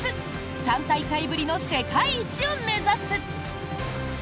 ３大会ぶりの世界一を目指す！